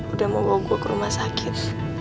udah mau bawa gue ke rumah sakit